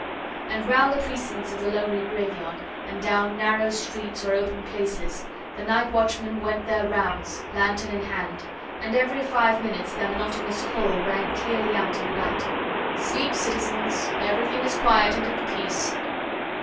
And round the precincts of the lonely graveyard, and down narrow streets or open places, the night watchmen went their rounds, lanthorn in hand, and every five minutes their monotonous call rang clearly out in the night: "Sleep, citizens! everything is quiet and at peace!"